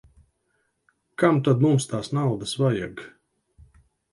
Kam tad mums tās naudas vajag.